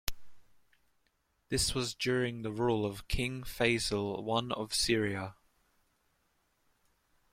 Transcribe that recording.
This was during the rule of King Feisal I of Syria.